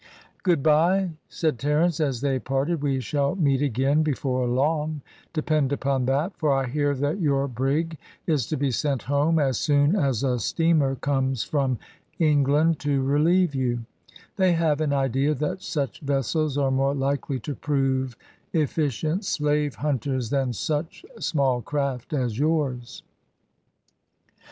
"Good bye," said Terence, as they parted, "we shall meet again before long, depend upon that, for I hear that your brig is to be sent home as soon as a steamer comes from England to relieve you; they have an idea that such vessels are more likely to prove efficient slaver hunters than such small craft as yours."